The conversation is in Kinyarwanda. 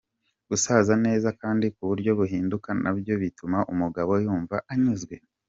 Gusasa neza kandi kuburyo buhinduka nabyo bituma umugabo yumva anyuzwe.